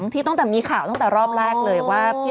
ที่ต้องแต่มีข่าวต้องแต่รอบแรกเลยว่าพี่อ๋อ